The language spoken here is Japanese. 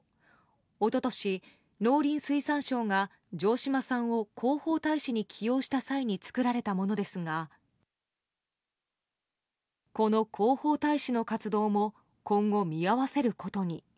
一昨年、農林水産省が城島さんを広報大使に起用した際に作られたものですがこの広報大使の活動も今後、見合わせることに。